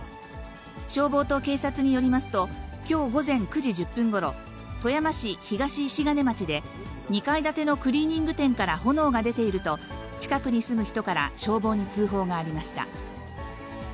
消防と警察によりますと、きょう午前９時１０分ごろ、富山市東石金町で、２階建てのクリーニング店から炎が出ていると、近くに住む人から消防に通報がありました。